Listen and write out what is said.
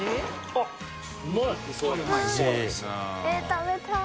食べたい。